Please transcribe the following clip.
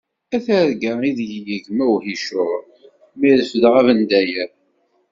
A targa i deg yegma uhicur! Mi refdeɣ abendayer.